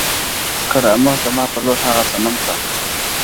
که را مخ زما پر لور هغه صنم کا،